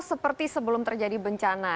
seperti sebelum terjadi bencana